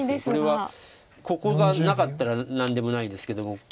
これはここがなかったら何でもないですけども。